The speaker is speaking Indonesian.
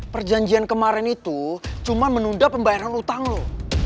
perjanjian kemarin itu cuma menunda pembayaran utang loh